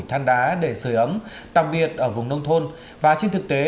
than đá để sửa ấm đặc biệt ở vùng nông thôn và trên thực tế